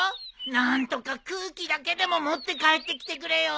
何とか空気だけでも持って帰ってきてくれよ。